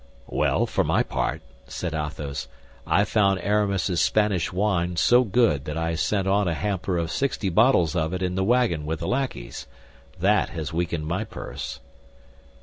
"Well, for my part," said Athos, "I found Aramis's Spanish wine so good that I sent on a hamper of sixty bottles of it in the wagon with the lackeys. That has weakened my purse."